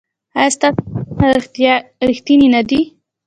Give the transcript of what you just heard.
ایا ستاسو خوبونه ریښتیني نه دي؟